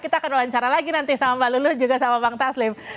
kita akan wawancara lagi nanti sama mbak lulu juga sama bang taslim